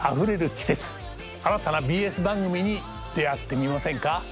季節新たなＢＳ番組に出会ってみませんか？